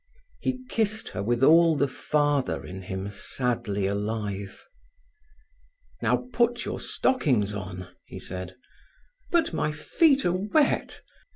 He kissed her with all the father in him sadly alive. "Now put your stockings on," he said. "But my feet are wet."